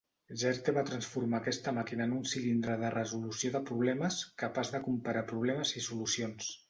Zerte va transformar aquesta màquina en un cilindre de resolució de problemes capaç de comparar problemes i solucions.